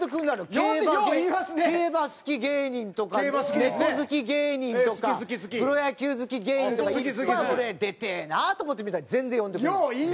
競馬好き芸人とか猫好き芸人とかプロ野球好き芸人とかいっぱい俺出てえなと思って見てるのに全然呼んでくれない。